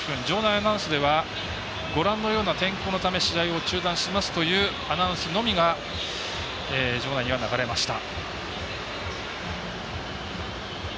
アナウンスではご覧のような天候のため試合を中断しますというアナウンスのみが場内には流れました。